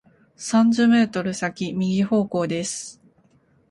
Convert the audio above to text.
三十メートル先、右方向です。